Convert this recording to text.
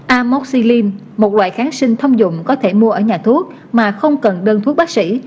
amoxi lim một loại kháng sinh thông dụng có thể mua ở nhà thuốc mà không cần đơn thuốc bác sĩ